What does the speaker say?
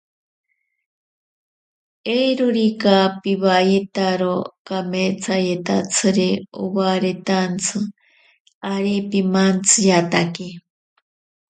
Eirorika piwayetaro kametsayetatsiri obaretantsi, ari pimantsiyatake.